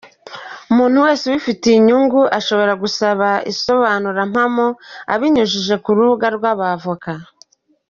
Umuntu wese ubifitemo inyungu ashobora gusaba isobanurampamo abinyujije ku Rugaga rw‟Abavoka”.